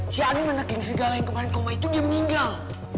si adi menetik segala yang kemarin koma itu dia meninggal